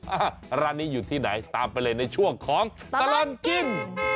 ร้านนี้อยู่ที่ไหนตามไปเลยในช่วงของตลอดกิน